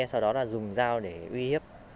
sau đó là dùng dao để uy hiếp